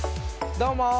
どうも！